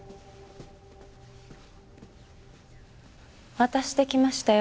渡してきましたよ